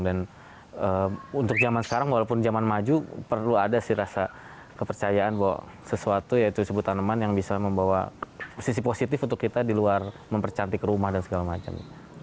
dan untuk zaman sekarang walaupun zaman maju perlu ada sih rasa kepercayaan bahwa sesuatu yaitu sebuah tanaman yang bisa membawa sisi positif untuk kita di luar mempercantik rumah dan segala macam